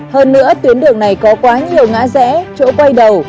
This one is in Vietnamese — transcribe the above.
hơn nữa tuyến đường này có quá nhiều ngã rẽ chỗ quay đầu